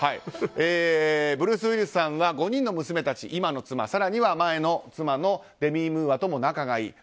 ブルース・ウィリスさんは５人の娘たち今の妻、更には前の妻のデミ・ムーアとも仲がいい。